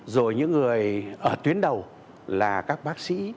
rồi những người ở tuyến đầu là các bác sĩ